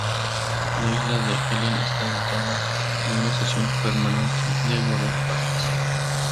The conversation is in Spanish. La isla de Helen está dotada de una estación permanente de guardaparques.